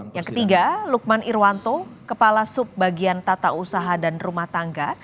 yang ketiga lukman irwanto kepala subbagian tata usaha dan rumah tangga